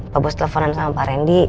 pak bos teleponan sama pak randy